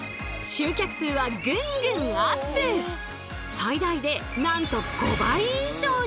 最大でなんと５倍以上に。